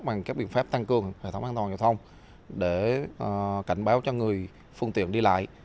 bằng các biện pháp tăng cường hệ thống an toàn giao thông để cảnh báo cho người phương tiện đi lại